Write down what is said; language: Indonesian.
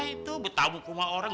itu betamu kumah orang